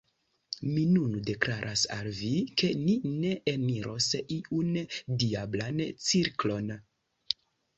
Mi nun deklaras al vi, ke ni ne eniros iun diablan cirklon.